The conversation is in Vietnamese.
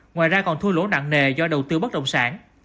ngoài ra còn thua lỗ nặng nề do đầu tư bất động sản